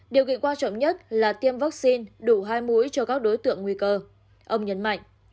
điều gy quan trọng nhất là tiêm vaccine đủ hai mũi cho các đối tượng nguy cơ ông nhấn mạnh